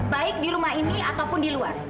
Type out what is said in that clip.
baik di rumah ini ataupun di luar